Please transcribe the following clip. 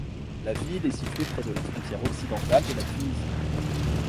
La ville est située près de la frontière occidentale de la Tunisie.